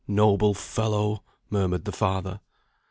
noble fellow!" murmured the father.